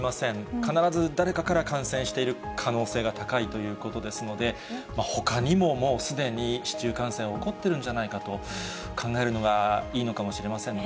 必ず誰かから感染している可能性が高いということですので、ほかにももうすでに市中感染起こってるんじゃないかと、考えるのがいいのかもしれませんね。